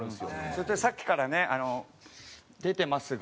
それとさっきからね出てますが。